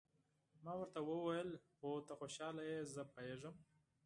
ما ورته وویل: هو، ته خوشاله یې، زه پوهېږم.